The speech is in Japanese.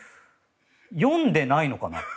読んでないのかな。